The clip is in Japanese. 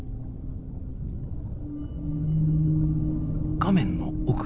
画面の奥。